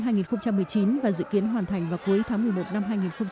công trình được khởi công và dự kiến hoàn thành vào cuối tháng một mươi một năm hai nghìn hai mươi